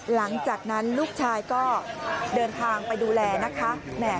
หลังจากนั้นลูกชายก็เดินทางไปดูแลนะคะ